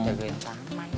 jaduin taman itu